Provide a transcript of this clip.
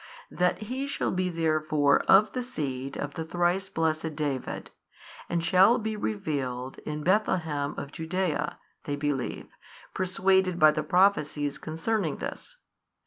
That He shall be therefore of the seed of the thrice blessed David and shall be revealed in Bethlehem of Judaea, they believe, persuaded by the prophecies concerning this.